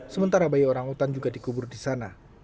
sementara bayi orangutan juga dikubur di sana